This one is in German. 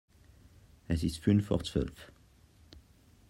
Es ist fünf vor Zwölf.